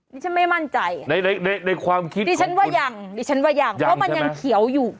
นี่ฉันไม่มั่นใจในความคิดของคุณดิฉันว่ายางเพราะมันยังเขียวอยู่